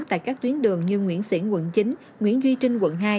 tại các tuyến đường như nguyễn sĩ quận chín nguyễn duy trinh quận hai